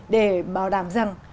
để bảo đảm rằng